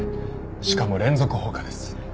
しかも連続放火です。